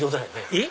えっ？